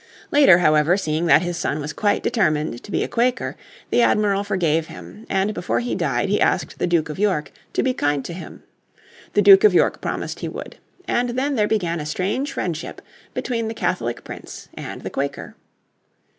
Later, however, seeing that his son was quite determined to be a Quaker, the Admiral forgave him, and before he died he asked the Duke of York to be kind to him. The Duke of York promised he would. And then there began a strange friendship between the Catholic Prince and the Quaker.